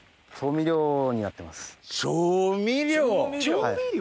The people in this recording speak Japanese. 調味料！